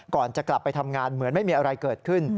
ก่อนจะกลับไปทำงานเหมือนไม่มีอะไรเกิดขึ้น